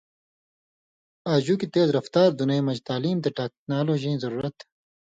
آژُکیۡ تیزرفتار دُنئیں مژ تعلیم تے ٹیکنالوجییں ضرورت